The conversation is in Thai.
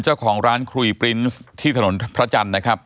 เจ้าของร้านครีปรินส์ที่ถนนพระจันทร์นะครับ